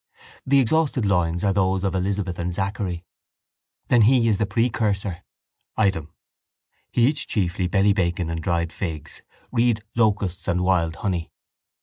The exhausted loins are those of Elizabeth and Zacchary. Then he is the precursor. Item: he eats chiefly belly bacon and dried figs. Read locusts and wild honey.